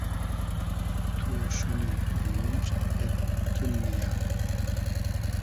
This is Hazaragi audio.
تو شونی پورموشت اید مومکین نییۂ